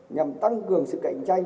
nhằm tăng cường sự cạnh tranh